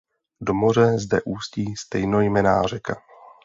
Do moře zde ústí stejnojmenná řeka.